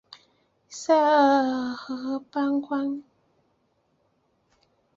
塞尔河畔宽。